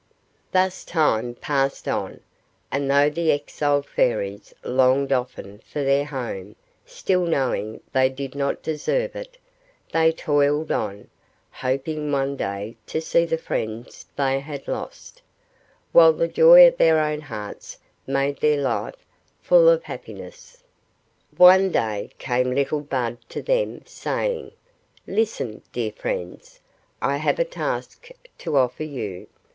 Thus time passed on, and though the exiled Fairies longed often for their home, still, knowing they did not deserve it, they toiled on, hoping one day to see the friends they had lost; while the joy of their own hearts made their life full of happiness. One day came little Bud to them, saying,— "Listen, dear friends. I have a hard task to offer you.